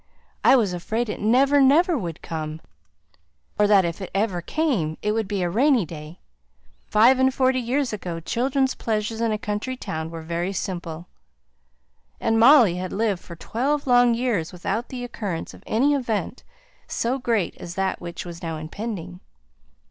I was afraid it never, never would come; or that, if it ever came, it would be a rainy day!" Five and forty years ago, children's pleasures in a country town were very simple, and Molly had lived for twelve long years without the occurrence of any event so great as that which was now impending.